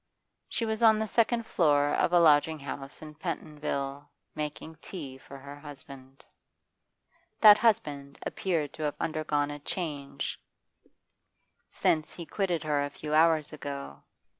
She was on the second floor of a lodging house in Pentonville, making tea for her husband. That husband appeared to have undergone a change since lie quitted her a few hours ago.